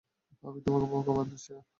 আমি তোমাকে বোকা বানাচ্ছি না।